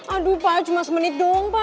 aduh pak cuma semenit dong pak